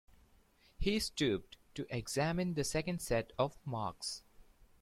He stooped to examine the second set of marks.